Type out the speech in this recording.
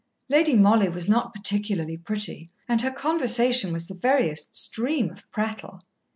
Lady Mollie was not particularly pretty, and her conversation was the veriest stream of prattle.